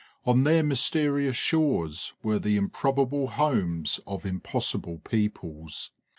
On their mysterious shores were the improbable homes of impossible peoples.